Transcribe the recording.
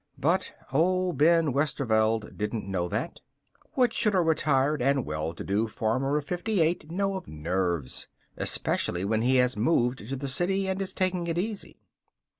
But old Ben Westerveld didn't know that. What should a retired and well to do farmer of fifty eight know of nerves, especially when he has moved to the city and is taking it easy?